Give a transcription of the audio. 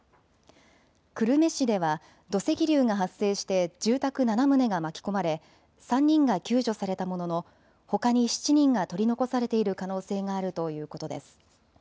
久留米市では土石流が発生して住宅７棟が巻き込まれ３人が救助されたもののほかに７人が取り残されている可能性があるということです。